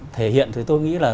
thể hiện thì tôi nghĩ là